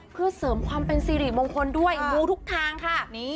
เพื่อเสริมความเป็นสิริมงคลด้วยมูทุกทางค่ะ